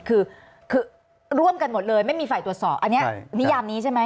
คือคือร่วมกันหมดเลยไม่มีฝ่ายตรวจสอบอันนี้นิยามนี้ใช่ไหม